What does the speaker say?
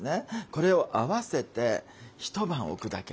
これを合わせて一晩置くだけ。